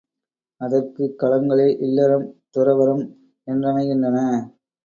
அதற்குக் களங்களே இல்லறம், துறவறம் என்றமைகின்றன.